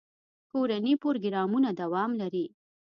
کورني پروګرامونه دوام لري.